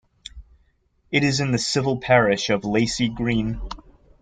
It is in the civil parish of Lacey Green.